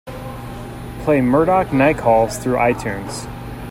Play Murdoc Nicalls through Itunes.